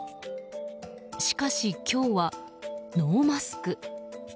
しかし、今日はノーマスク。